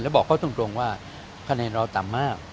บอกเขาตรงว่าคะแนนเราต่ำมาก